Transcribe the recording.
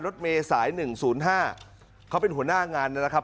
รถเมย์สายหนึ่งศูนย์ห้าเขาเป็นหัวหน้างานนะครับ